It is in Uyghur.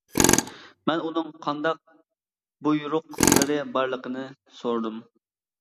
مەن ئۇنىڭ قانداق بۇيرۇقلىرى بارلىقىنى سورىدىم.